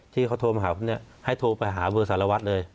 ที่เขาโทรมาหาผมเนี่ยให้โทรไปหาเบอร์สารวัตรเลย